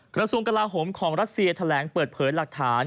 กระทรวงกลาโหมของรัสเซียแถลงเปิดเผยหลักฐาน